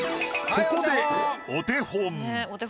ここでお手本。